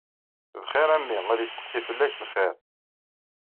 Bxir a mmi, ad isteqsi fell-ak, lxir.